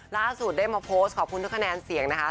ล่าสุดได้มาโพสต์ขอบคุณทุกคะแนนเสียงนะคะ